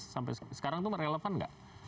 sampai sekarang tuh relevan nggak